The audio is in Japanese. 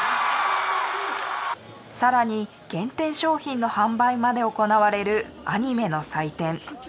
更に限定商品の販売まで行われるアニメの祭典。